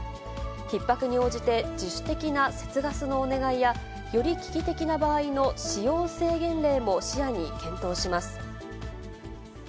ひっ迫に応じて自主的な節ガスのお願いや、より危機的な場合の使用制限令も視野に検討します。